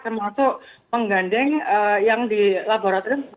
termasuk menggandeng yang di laboratorium